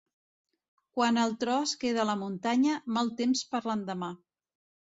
Quan el tro es queda a la muntanya, mal temps per l'endemà.